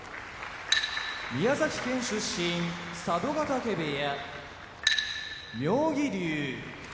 宮崎県出身佐渡ヶ嶽部屋妙義龍